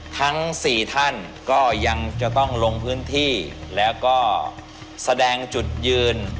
ทั้ง๔ท่านก็ยังจะต้องลงพื้นที่แล้วก็แสดงจุดยืน